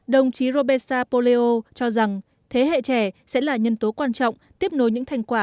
đồng chí robesa poleo cho rằng thế hệ trẻ sẽ là nhân tố quan trọng tiếp nối những thành quả